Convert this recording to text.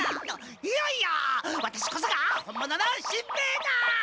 いやいやワタシこそが本物のしんべヱだ！